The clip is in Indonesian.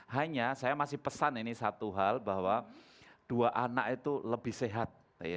hanya saya masih pesan ini satu hal bahwa dua anak itu lebih sehat